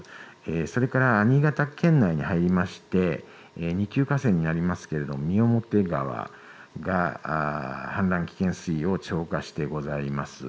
それから新潟県内に入りまして２級河川になりますが三面川が氾濫危険水位を超過してございます。